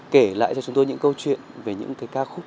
kể lại cho chúng tôi những câu chuyện về những cái ca khúc